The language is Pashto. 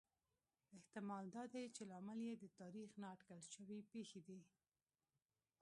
احتمال دا دی چې لامل یې د تاریخ نا اټکل شوې پېښې دي